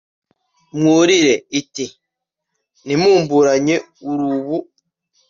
mwurire iti : ntimburanye urubu